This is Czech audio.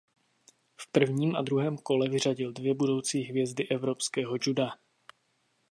V prvním a druhém kole vyřadil dvě budoucí hvězdy evropského juda.